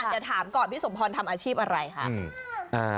จะถามก่อนพี่สมพรทำอาชีพอะไรคะ